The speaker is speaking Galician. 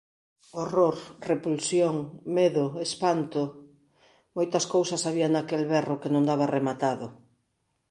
Horror, repulsión, medo, espanto… Moitas cousas había naquel berro que non daba rematado.